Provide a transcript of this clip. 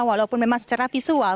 walaupun memang secara visual